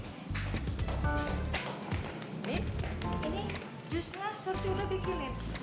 ini jusnya surti udah bikilin